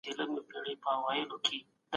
په خيټه کي اور مه اچوئ.